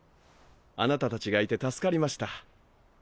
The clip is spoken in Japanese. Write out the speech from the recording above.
あなた達がいて助かりました。